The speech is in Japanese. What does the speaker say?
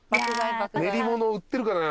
練り物売ってるかな。